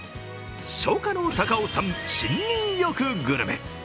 初夏の高尾山森林浴グルメ。